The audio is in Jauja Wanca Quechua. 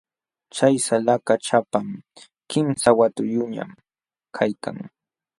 Chay salakaq ćhapam, kimsa watayuqñam kaykan.